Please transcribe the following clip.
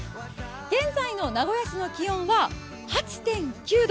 現在の名古屋市の気温は８．９度。